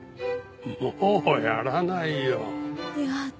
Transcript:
もうやらないよ。